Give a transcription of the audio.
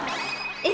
え！